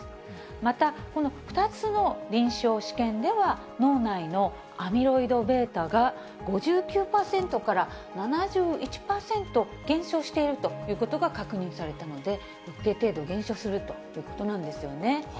また、この２つの臨床試験では、脳内のアミロイドβが５９％から７１％減少しているということが確認されたので、一定程度減少するということなんですよね。